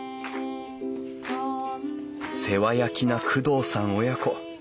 世話焼きな工藤さん親子。